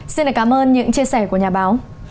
xin cảm ơn những chia sẻ của nhà báo